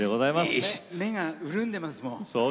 目が潤んでますもん。